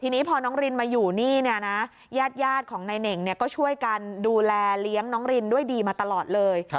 ทีนี้พอน้องรินมาอยู่นี่เนี่ยนะญาติของนายเหน่งก็ช่วยกันดูแลเลี้ยงน้องรินด้วยดีมาตลอดเลย